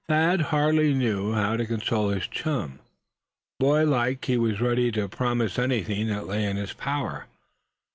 Thad hardly knew how to console his chum. Boy like he was ready to promise anything that lay in his power.